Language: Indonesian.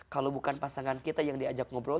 kalau bukan pasangan kita yang diajak ngobrol